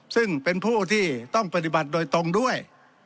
ซึ่งเป็นผู้ที่ต้องปฏิบัติโดยตรงด้วย